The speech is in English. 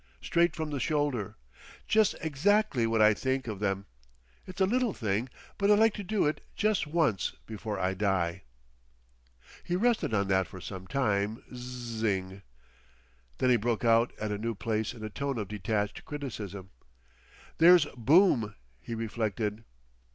Straight from the shoulder. Jes' exactly what I think of them. It's a little thing, but I'd like to do it jes' once before I die."... He rested on that for some time Zzzz ing. Then he broke out at a new place in a tone of detached criticism. "There's Boom," he reflected.